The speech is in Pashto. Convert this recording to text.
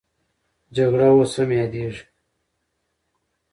جګړه اوس هم یادېږي.